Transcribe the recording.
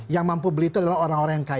yang mampu beli itu adalah orang orang yang kaya